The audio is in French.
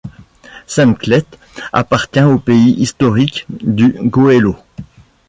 Saint-Clet appartient au pays historique du Goëlo.